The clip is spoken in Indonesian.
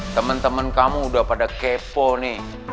teman teman kamu udah pada kepo nih